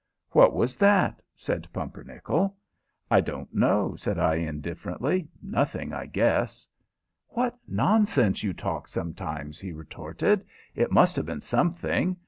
"What was that?" said Pumpernickel. "I don't know," said I, indifferently. "Nothing, I guess." "What nonsense you talk sometimes!" he retorted. "It must have been something.